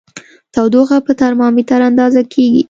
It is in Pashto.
تودوخه په ترمامیتر اندازه کېږي.